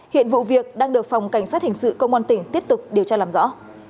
hiện vụ việc đang được phòng cảnh sát hình sự công an tỉnh tiếp tục điều tra làm rõ